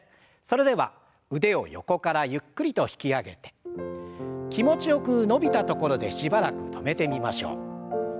それでは腕を横からゆっくりと引き上げて気持ちよく伸びたところでしばらく止めてみましょう。